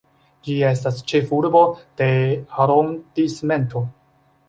Ĝi estas ĉefurbo de arondismento.